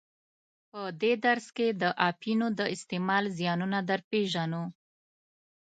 په دې درس کې د اپینو د استعمال زیانونه در پیژنو.